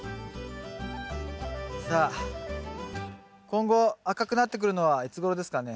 さあ今後赤くなってくるのはいつごろですかね？